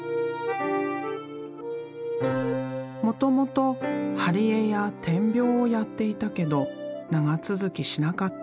もともと貼り絵や点描をやっていたけど長続きしなかった。